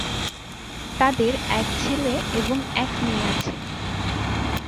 তাদের এক ছেলে এবং এক মেয়ে আছে।